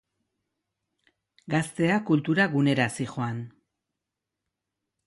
Gaztea, kultura gunera zihoan.